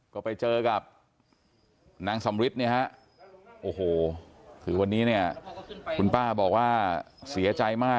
ก็ไปเจอกับนางสำริทเนี่ยฮะโอ้โหคือวันนี้เนี่ยคุณป้าบอกว่าเสียใจมาก